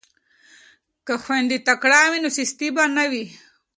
که خویندې تکړه وي نو سستي به نه وي.